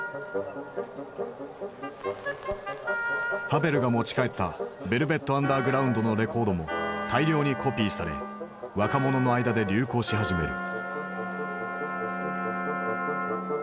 ハヴェルが持ち帰ったヴェルヴェット・アンダーグラウンドのレコードも大量にコピーされ若者の間で流行し始める。